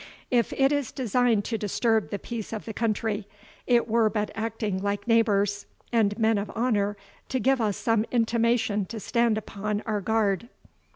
If it is designed to disturb the peace of the country, it were but acting like neighbours, and men of honour, to give us some intimation to stand upon our guard."